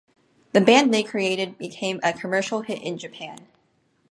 The band they created became a commercial hit in Japan.